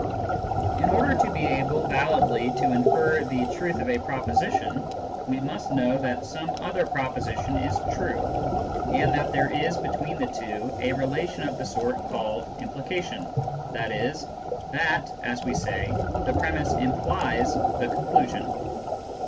In order to be able validly to infer the truth of a proposition, we must know that some other proposition is true, and that there is between the two a relation of the sort called "implication," i.e. that (as we say) the premiss " implies " the conclusion.